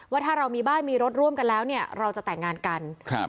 ว่าถ้าเรามีบ้านมีรถร่วมกันแล้วเนี่ยเราจะแต่งงานกันครับ